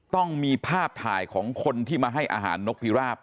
ต้องมีภาพถ่ายของคนที่มาให้อาหารนกพิราบ